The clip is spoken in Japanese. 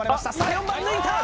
４番抜いたー